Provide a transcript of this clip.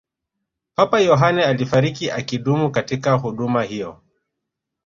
papa yohane alifariki akidumu katika huduma hiyo